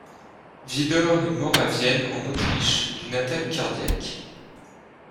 Vidor est mort à Vienne en Autriche d'une attaque cardiaque.